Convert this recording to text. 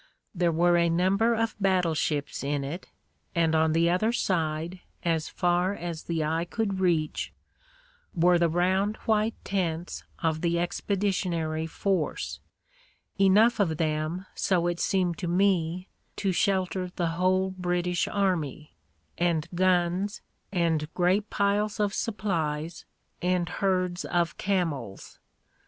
There were a number of battleships in it, and on the other side, as far as the eye could reach, were the round white tents of the expeditionary force — enough of them, so it seemed to me, to shelter the whole British army — and guns, and great piles of supplies, and herds of camels.